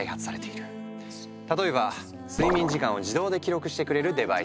例えば睡眠時間を自動で記録してくれるデバイス。